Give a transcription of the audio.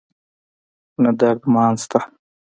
نه درد مان شته